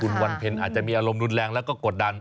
คุณวันเพ็ญอาจจะมีอารมณ์รุนแรงแล้วก็กดดัน